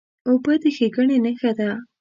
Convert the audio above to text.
اوبه د ښېګڼې نښه ده.